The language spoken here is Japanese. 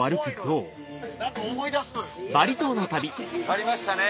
ありましたね。